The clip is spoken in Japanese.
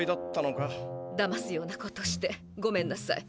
だますようなことしてごめんなさい。